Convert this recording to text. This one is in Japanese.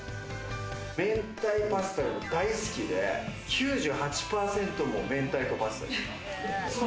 明太パスタが大好きで９８％以上が明太子パスタです。